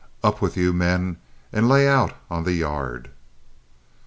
Up with you, men, and lay out on the yard!"